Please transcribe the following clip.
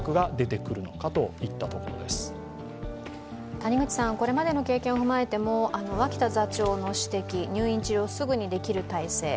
谷口さん、これまでの経験を踏まえても脇田座長の指摘、入院・治療をすぐにできる体制。